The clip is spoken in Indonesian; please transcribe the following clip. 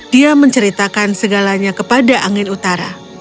dia menceritakan segalanya kepada angin utara